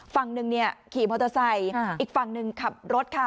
ฝั่งหนึ่งเนี่ยขี่มอเตอร์ไซค์อีกฝั่งหนึ่งขับรถค่ะ